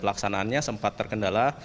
pelaksanaannya sempat terkendala